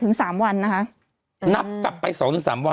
นับทางกลับไป๒๓วัน